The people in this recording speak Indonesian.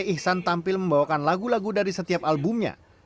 ihsan tampil membawakan lagu lagu dari setiap albumnya